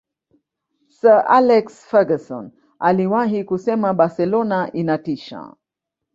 sir alex ferguson aliwahi kusema barcelona inatisha